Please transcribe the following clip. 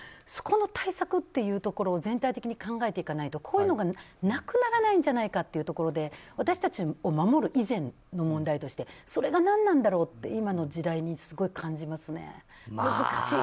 そこの対策というところを全体的に考えていかないとこういうのがなくならないんじゃないかというところで私たちを守る以前の問題としてそれが何なんだろうって今の時代にすごい感じますね。